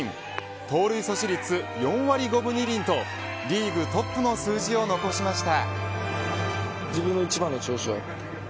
盗塁阻止率４割５分２厘とリーグトップの数字を残しました。